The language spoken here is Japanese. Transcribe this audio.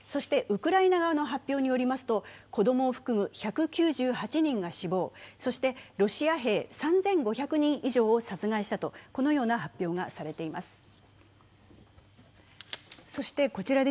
ウクライナ側の発表によりますと子供を含む１９８人が死亡、ロシア兵３５００人以上を殺害したとこのような発表がされています。